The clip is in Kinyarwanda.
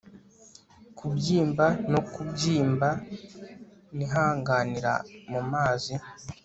Kubyimba no kubyimba Nihanganira mumazi